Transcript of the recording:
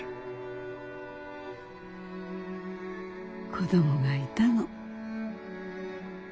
子どもがいたの。